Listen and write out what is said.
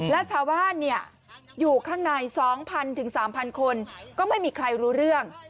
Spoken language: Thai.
และชาวบ้านอยู่ข้างใน๒๐๐๓๐๐คนก็ไม่มีใครรู้เรื่อง